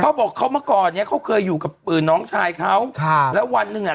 เขาบอกเขาเมื่อก่อนเนี้ยเขาเคยอยู่กับน้องชายเขาค่ะแล้ววันหนึ่งอ่ะ